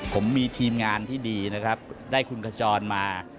ผมมีทีมงานที่ดีนะครับได้คุณขจรมา